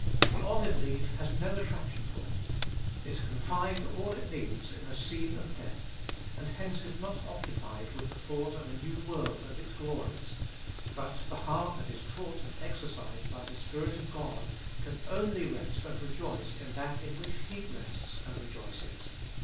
"The olive leaf" has no attraction for it. It can find all it needs in a scene of death, and hence is not occupied with the thought of a new world and its glories; but the heart that is taught and exercised by the Spirit of God, can only rest and rejoice in that in which he rests and rejoices.